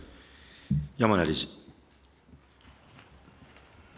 山名理事。